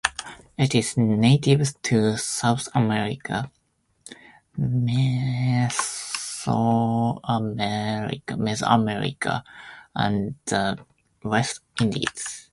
It is native to South America, Mesoamerica, and the West Indies.